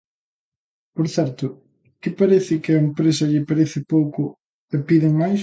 Por certo, que parece que á empresa lle parece pouco e piden máis.